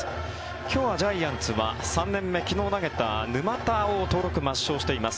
今日はジャイアンツは３年目、昨日投げた沼田を登録抹消しています。